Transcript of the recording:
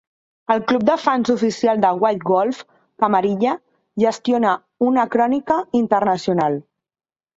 El club de fans oficial de White Wolf, "Camarilla", gestiona una crònica internacional.